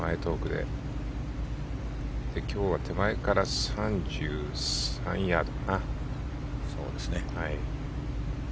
今日は手前から３３ヤード。